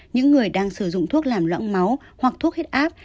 những người đang sử dụng thuốc làm loãng máu hoặc thuốc huyết áp